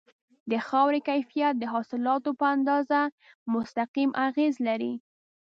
د خاورې کیفیت د حاصلاتو په اندازه مستقیم اغیز لري.